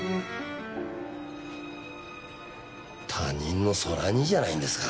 他人の空似じゃないんですか？